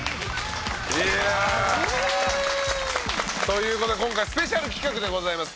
いや。という事で今回スペシャル企画でございます。